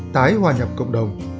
tái hòa nhập cộng đồng